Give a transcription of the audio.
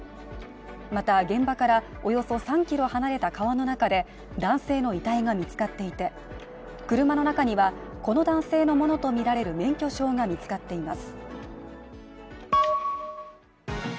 また現場からおよそ３ｋｍ離れた川の中で、男性の遺体が見つかっていて車の中には、この男性のものとみられる免許証が見つかっています。